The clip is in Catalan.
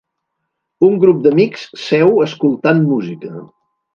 Un grup d'amics seu escoltant música.